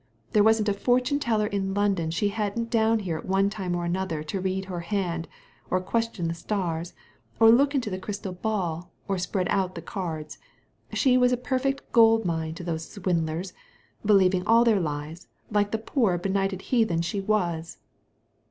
There wasn't a fortune teller in London she hadn't down here at one time or another to read her hand, or question the stars, or look into the crystal ball, or spread out the cards. She was a perfect gold mine to those swindlers, believing all their lies, like the poor be nighted heathen she was."